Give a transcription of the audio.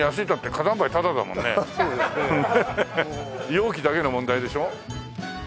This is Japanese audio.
容器だけの問題でしょ？